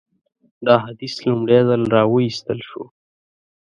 دا حدیث لومړی ځل راوایستل شو.